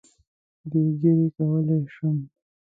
بې ږیرې کولای شم.